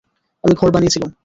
আমি ঘর বানিয়েছিলুম।